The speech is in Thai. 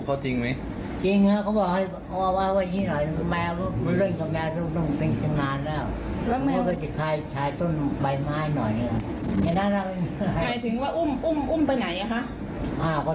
ถอดทำไมคะ